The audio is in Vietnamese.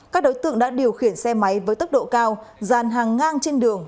các đối tượng đã điều khiển xe máy với tốc độ cao dàn hàng ngang trên đường